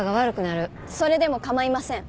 それでも構いません。